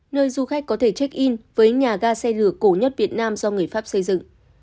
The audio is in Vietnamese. nơi du khách có thể check in với nhà ga xe lửa cổ nhất việt nam do người pháp xây dựng